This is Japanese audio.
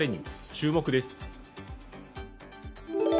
注目です。